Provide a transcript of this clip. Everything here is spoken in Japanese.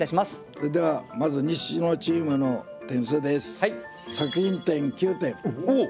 それではまず西のチームの点数です。